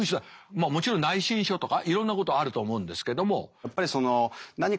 まあもちろん内申書とかいろんなことあると思うんですけども。